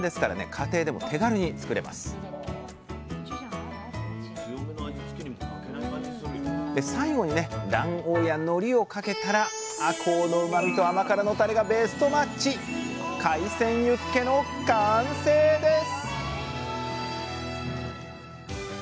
家庭でも手軽に作れますで最後にね卵黄やのりをかけたらあこうのうまみと甘辛のタレがベストマッチ海鮮ユッケの完成です